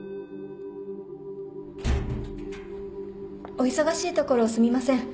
・お忙しいところすみません。